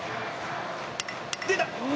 「出た！」